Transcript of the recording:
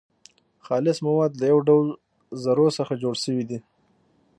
خالص مواد له يو ډول ذرو څخه جوړ سوي دي .